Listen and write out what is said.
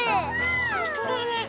ほんとだね。